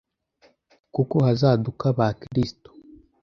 kuko hazaduka ba Kristo